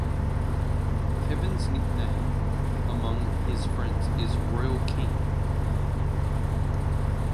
Kevin's nickname among his friends is "King Royal".